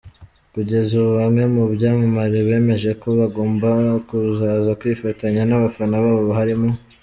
Kugeza ubu bamwe mu byamamare bemeje ko bagomba kuzaza kwifatanya n’abafana babo, harimo:.